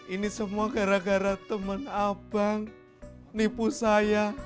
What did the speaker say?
ini semua gara gara teman abang nipu saya